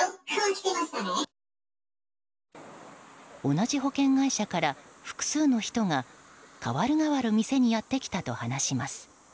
同じ保険会社から複数の人がかわるがわる店にやってきたと話します。